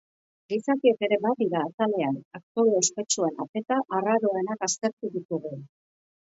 Gizakiak ere badira atalean, aktore ospetsuen apeta arraroenak aztertuko ditugu.